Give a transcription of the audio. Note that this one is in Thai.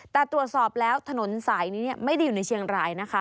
แต่ตรวจสอบแล้วถนนสายนี้ไม่ได้อยู่ในเชียงรายนะคะ